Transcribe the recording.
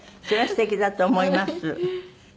それはすてきだと思います。